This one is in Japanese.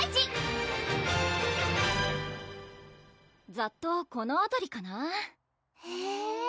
ざっとこのあたりかなへぇ！